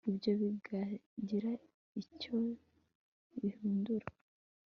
ibyo bizagira icyo bihindura